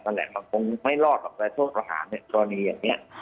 แต่คุณก็ไม่รอดถ้าการประหารชีวิตกรณีอย่างนี้